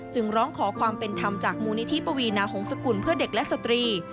จึงร้องขอความเป็นธรรมจากมูลนิธิปวีนาหงษกุลเพื่อเด็กและสตรี